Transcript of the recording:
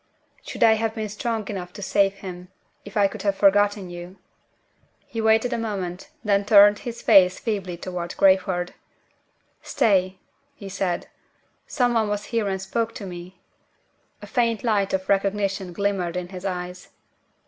"Should I have been strong enough to save him, if I could have forgotten you?" He waited a moment and turned his face feebly toward Crayford. "Stay!" he said. "Someone was here and spoke to me." A faint light of recognition glimmered in his eyes.